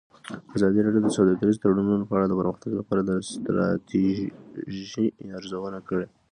ازادي راډیو د سوداګریز تړونونه په اړه د پرمختګ لپاره د ستراتیژۍ ارزونه کړې.